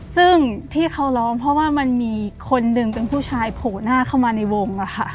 ซึ่งที่เขาร้องเพราะว่ามันมีคนหนึ่งเป็นผู้ชายโผล่หน้าเข้ามาในวงอะค่ะ